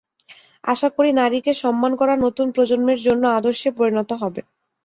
আশা করি, নারীকে সম্মান করা নতুন প্রজন্মের জন্য আদর্শে পরিণত হবে।